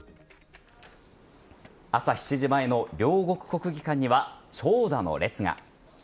朝７時前の両国国技館には長蛇の列が。